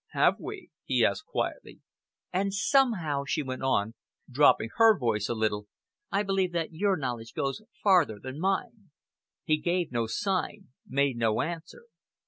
"Have we?" he asked quietly. "And somehow," she went on, dropping her voice a little, "I believe that your knowledge goes farther than mine." He gave no sign, made no answer.